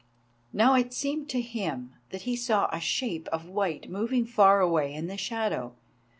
Now it seemed to him that he saw a shape of white moving far away in the shadow.